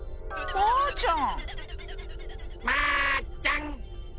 マーちゃん！